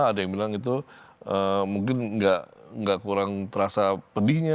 ada yang bilang itu mungkin nggak kurang terasa pedihnya